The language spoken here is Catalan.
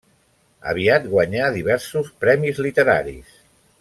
Aviat guanyà diversos premis literaris.